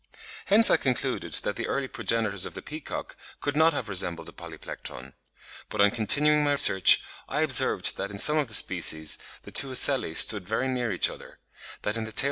Hence I concluded that the early progenitors of the peacock could not have resembled a Polyplectron. But on continuing my search, I observed that in some of the species the two ocelli stood very near each other; that in the tail feathers of P.